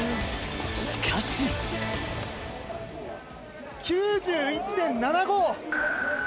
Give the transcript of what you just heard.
［しかし］９１．７５。